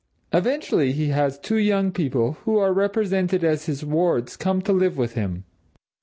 Eventually he has two young people, who are represented as his wards, come to live with him.